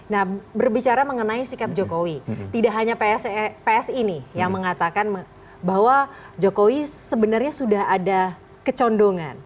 nah berbicara mengenai sikap jokowi tidak hanya psi nih yang mengatakan bahwa jokowi sebenarnya sudah ada kecondongan